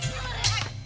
ujang ujang ujang